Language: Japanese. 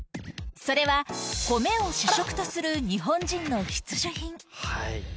それは米を主食とする日本人の必需品。